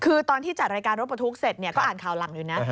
คือตอนที่จัดรายการรถประทุกข์เสร็จก็อ่านข่าวหลังอยู่นะ